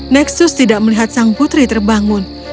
neksus tidak melihat sang putri terbangun